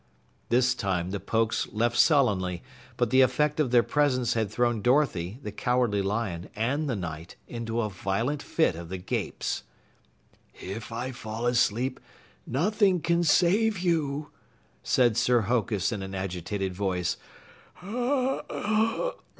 This time the Pokes left sullenly, but the effect of their presence had thrown Dorothy, the Cowardly Lion, and the Knight into a violent fit of the gapes. "If I fall asleep, nothing can save you," said Sir Hokus in an agitated voice.